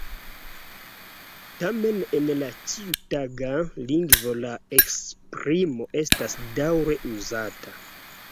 Tamen en la ĉiutaga lingvo la esprimo estas daŭre uzata.